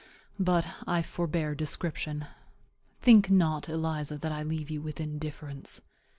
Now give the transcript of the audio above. But I forbear description. Think not, Eliza, that I leave you with indifference.